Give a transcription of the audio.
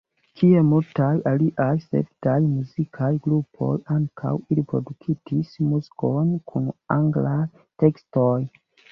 Kiel multaj aliaj svedaj muzikaj grupoj, ankaŭ ili produktis muzikon kun anglaj tekstoj.